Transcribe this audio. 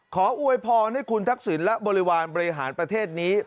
ขออวยพรให้คุณทักษิณและบริวารบริหารประเทศนี้